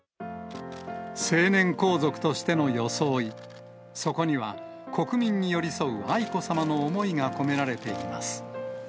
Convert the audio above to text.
成年皇族としての装い、そこには国民に寄り添う愛子さまの思いが込められています。